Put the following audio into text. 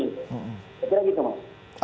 kira kira gitu pak